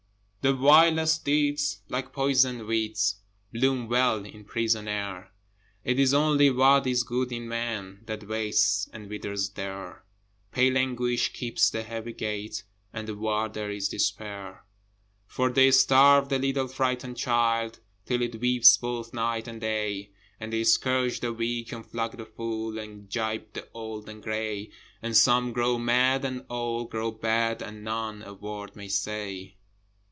The vilest deeds like poison weeds Bloom well in prison air: It is only what is good in Man That wastes and withers there: Pale Anguish keeps the heavy gate, And the Warder is Despair For they starve the little frightened child Till it weeps both night and day: And they scourge the weak, and flog the fool, And gibe the old and grey, And some grow mad, and all grow bad, And none a word may say.